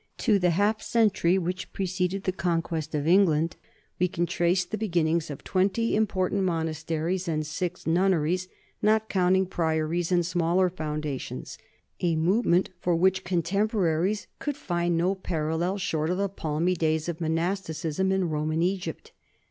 To the half century which preceded the Conquest of England we can trace the beginnings of twenty important monasteries and six nunneries, not counting priories and smaller foundations, a movement NORMAN LIFE AND CULTURE 165 for which contemporaries could find no parallel short of the palmy days of monasticism in Roman Egypt.